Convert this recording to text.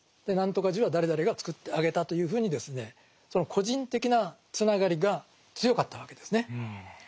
何とか寺は誰々がつくってあげたというふうにですねその個人的なつながりが強かったわけですね。